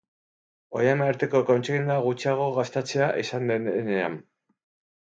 Orain arteko kontsigna gutxiago gastatzea izan denean.